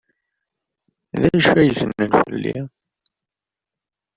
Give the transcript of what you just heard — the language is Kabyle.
D acu ay ssnen fell-i?